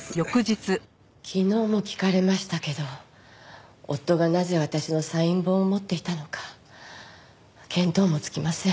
昨日も聞かれましたけど夫がなぜ私のサイン本を持っていたのか見当もつきません。